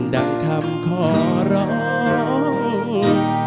ดั่งคำขอร้อง